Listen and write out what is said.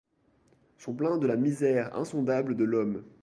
Sont pleins de la misère insondable de l’homme.